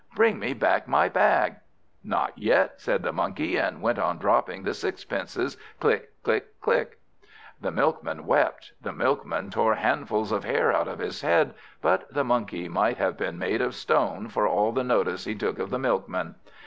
bring me back my bag!" "Not yet," said the Monkey, and went on dropping the sixpences, click! click! click! The Milkman wept, the Milkman tore handfuls of hair out of his head; but the Monkey might have been made of stone for all the notice he took of the Milkman.